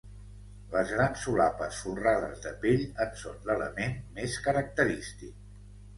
Les grans solapes folrades de pell en són l'element més característic.